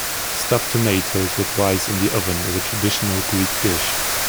Stuffed tomatoes with rice in the oven, is a traditional Greek dish.